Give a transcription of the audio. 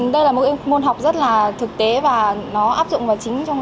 đây là một môn học rất là thực tế và nó áp dụng vào chính